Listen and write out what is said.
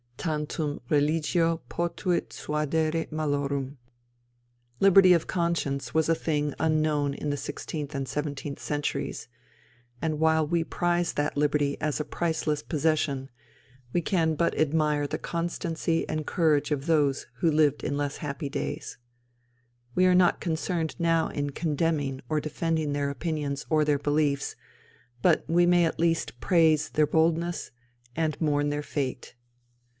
Tantum religio potuit suadere malorum. Liberty of conscience was a thing unknown in the sixteenth and seventeenth centuries; and while we prize that liberty as a priceless possession, we can but admire the constancy and courage of those who lived in less happy days. We are not concerned now in condemning or defending their opinions or their beliefs, but we may at least praise their boldness and mourn their fate.